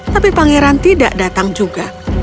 tapi pangeran tidak datang juga